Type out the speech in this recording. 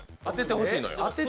当ててほしいのよ